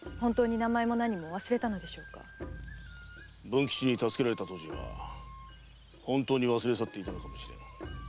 文吉に助けられた当時は本当に忘れ去っていたのかもしれぬ。